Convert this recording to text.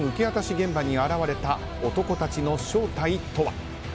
現場に現れた男たちの正体とは。